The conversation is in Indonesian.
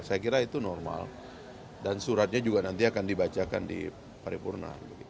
saya kira itu normal dan suratnya juga nanti akan dibacakan di paripurna